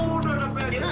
uh udah nampak